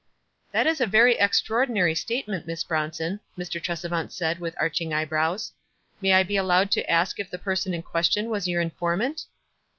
"" That is a very extraordinary statement, Miss Bronson," Mr. Tresevant said, with arch ing eyebrows. " May I be allowed to ask if the person in question was your informant?"